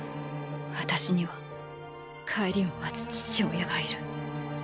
私には帰りを待つ父親がいる。